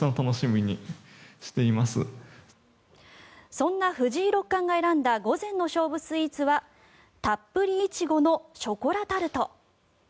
そんな藤井六冠が選んだ午前の勝負スイーツはたっぷり苺のショコラタルト。